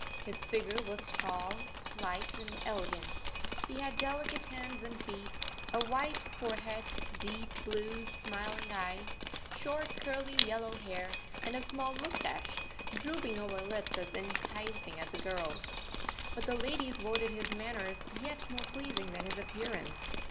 His figure was tall, slight, and elegant. He had delicate hands and feet, a white forehead, deep blue, smiling eyes, short, curly, yellow, hair, and a small moustache, drooping over lips as enticing as a girl's. But the ladies voted his manners yet more pleasing than his appearance.